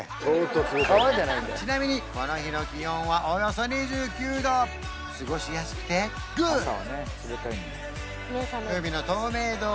ちなみにこの日の気温はおよそ２９度過ごしやすくてグッド！